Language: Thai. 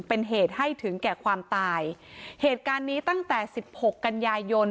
เป็นเหตุให้ถึงแก่ความตายเหตุการณ์นี้ตั้งแต่สิบหกกันยายน